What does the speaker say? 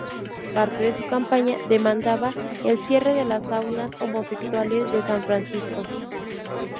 Parte de su campaña demandaba el cierre de las saunas homosexuales de San Francisco.